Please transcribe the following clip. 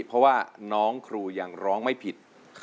เพราะว่าน้องครูยังร้องไม่ผิด